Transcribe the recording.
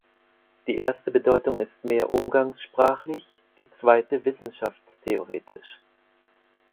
Die erste Bedeutung ist mehr umgangssprachlich, die zweite wissenschaftstheoretisch.